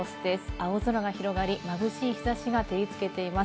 青空が広がり、まぶしい日差しが照りつけています。